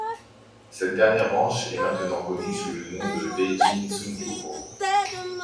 Cette dernière branche est maintenant connue sous le nom de Daejin Sungjuhoe.